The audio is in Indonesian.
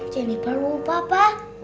jadi perlu papa